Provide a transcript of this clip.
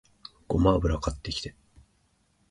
ごま油買ってきて